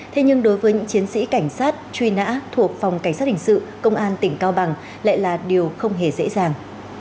thế nhưng đối với những chiến sĩ cảnh sát truy nã thuộc phòng cảnh sát hình sự công an tỉnh cao bằng lại là điều không hề dễ dàng